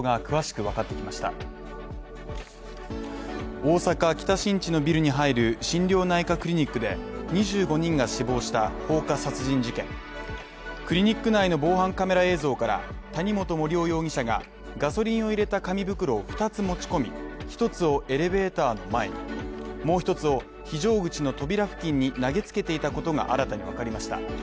大阪北新地のビルに入る心療内科クリニックで２５人が死亡した放火殺人事件クリニック内の防犯カメラ映像から、谷本盛雄容疑者がガソリンを入れた紙袋を二つ持ちこみ一つをエレベーターの前にもう一つを、非常口の扉付近に投げつけていたことが新たにわかりました。